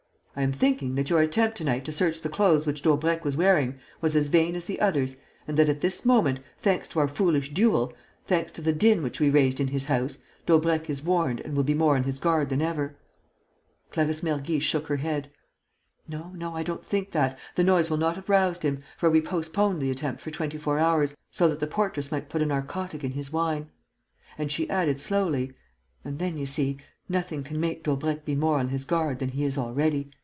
I am thinking that your attempt to night to search the clothes which Daubrecq was wearing was as vain as the others and that, at this moment, thanks to our foolish duel, thanks to the din which we raised in his house, Daubrecq is warned and will be more on his guard than ever." Clarisse Mergy shook her head: "No, no, I don't think that; the noise will not have roused him, for we postponed the attempt for twenty four hours so that the portress might put a narcotic in his wine." And she added, slowly, "And then, you see, nothing can make Daubrecq be more on his guard than he is already.